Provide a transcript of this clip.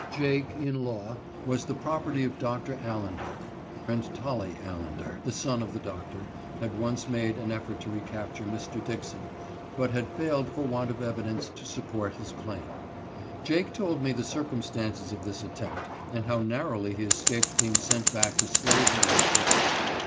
Jake, in law, was the property of Doctor Allender, and Tolly Allender, the son of the doctor, had once made an effort to recapture Mr. Dixon, but had failed for want of evidence to support his claim. Jake told me the circumstances of this attempt, and how narrowly he escaped being sent back to slavery and torture.